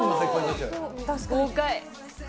豪快。